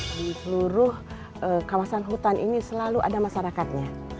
di seluruh kawasan hutan ini selalu ada masyarakatnya